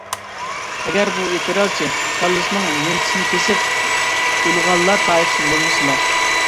ئەگەر بۇ ئېتىرازچى كاللىسىنىڭ ۋېنتىسى كېسىپ ئۇلانغانلار تائىپىسىدىن بولمىسىلا ...